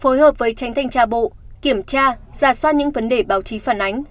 phối hợp với tránh thanh tra bộ kiểm tra giả soát những vấn đề báo chí phản ánh